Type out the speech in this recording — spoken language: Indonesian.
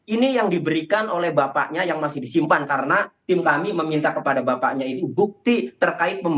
ini yang diberikan oleh bapaknya yang masih disimpan karena tim kami meminta kepada bapaknya itu bukti terkait